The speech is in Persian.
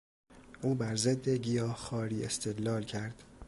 او بر ضد گیاهخواری استدلال کرد.